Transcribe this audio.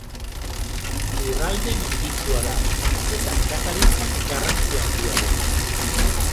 Lurralde menditsua da, eta nekazaritzak garrantzi handia du.